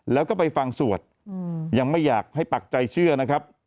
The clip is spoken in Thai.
แล้วก็ไปฟังสวดยังไม่อยากให้ปักใจเชื่อนะครับ